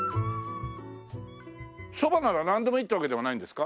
そばならなんでもいいってわけではないんですか？